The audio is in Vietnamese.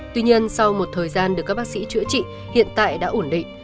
tuy nhiên sau một thời gian được các bác sĩ chữa trị hiện tại đã ổn định